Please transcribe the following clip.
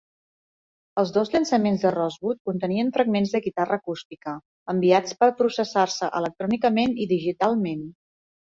Els dos llançaments de "Rosewood" contenien fragments de guitarra acústica "enviats per processar-se electrònicament i digitalment.